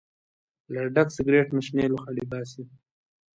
له ډک سګرټ نه شنې لوخړې باسي.